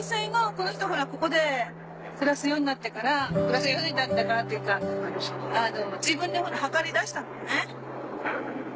この人ほらここで暮らすようになってから暮らすようになってからっていうか自分で測り出したのね。